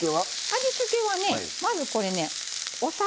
味付けはねまずこれねお酒。